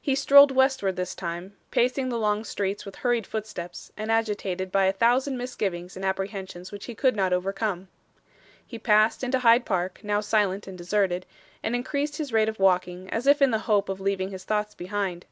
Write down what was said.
He strolled westward this time, pacing the long streets with hurried footsteps, and agitated by a thousand misgivings and apprehensions which he could not overcome. He passed into Hyde Park, now silent and deserted, and increased his rate of walking as if in the hope of leaving his thoughts behind.